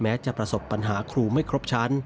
จะประสบปัญหาครูไม่ครบชั้น